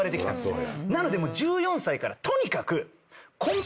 なので１４歳からとにかく。